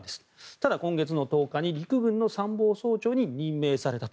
ただ今月１０日に陸軍の参謀総長に任命されたと。